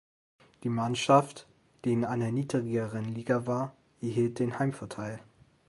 Die Mannschaft, die in einer niedrigeren Liga war, erhielt den Heimvorteil.